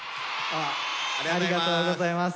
ありがとうございます。